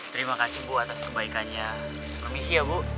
terima kasih bu atas kebaikannya permisi ya bu